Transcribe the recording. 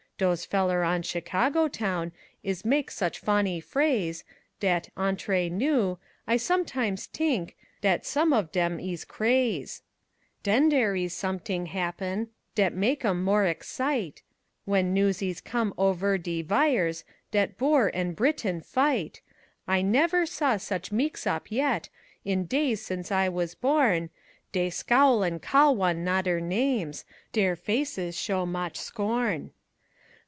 Dose feller on Chicago town Is mak' such fonny phrase Dat entre nous I sometimes t'ink Dat som' of dem ees craz'. Den dere ees somet'ing happen Dat mak' 'em more excite', W'en news ees com' overe de vires Dat Boer an' Britain fight, I nevere saw such meex op yet, In days since I be born, Dey scowl an' call wan nodder names, Dere faces show moch scorn.